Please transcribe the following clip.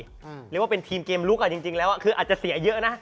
เรียกว่าเป็นทีมเกมลุกอ่ะจริงแล้วคืออาจจะเสียเยอะนะ